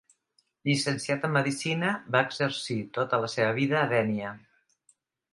Llicenciat en medicina, va exercir tota la seva vida a Dénia.